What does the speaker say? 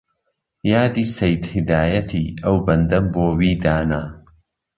یادی سەید هیدایەتی ئەو بەندەم بۆ وی دانا